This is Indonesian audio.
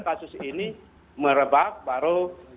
kasus ini merebak baru